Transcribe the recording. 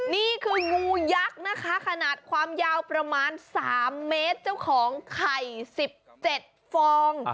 นี่คืองูยักษ์นะคะขนาดความยาวประมาณ๓เมตรเจ้าของไข่๑๗ฟอง